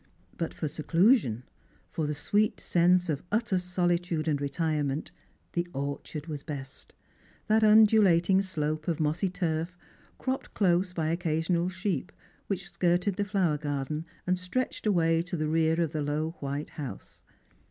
But for seclusion, for the sweet sense of utter solitude and retirement, the orchard was best — that undulating slope of mossy turf, cropped close by occasional sheep, which skirted the flower garden, and stretched away to the rear of the low white Strangers and Pilgrims. 3 house.